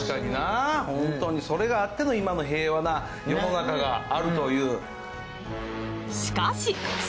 ホントにそれがあっての平和な世の中があるという。